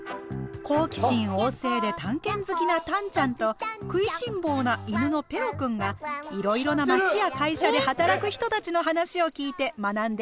好奇心旺盛で探検好きなタンちゃんと食いしん坊な犬のペロくんがいろいろな町や会社で働く人たちの話を聞いて学んでいきます。